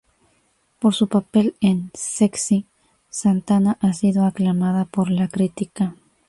Por su papel en "Sexy", Santana ha sido aclamada por la crítica.